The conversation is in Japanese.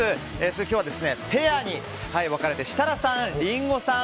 今日は、ペアに分かれて設楽さん、リンゴさん